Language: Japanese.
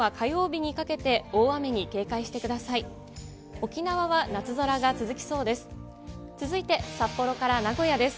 沖縄は夏空が続きそうです。